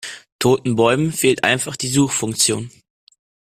Toten Bäumen fehlt einfach die Suchfunktion.